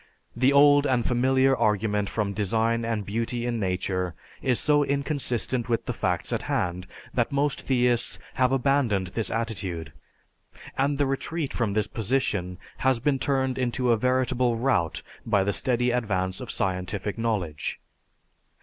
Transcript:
The old and familiar argument from design and beauty in nature is so inconsistent with the facts at hand, that most theists have abandoned this attitude, and the retreat from this position has been turned into a veritable rout by the steady advance of scientific knowledge.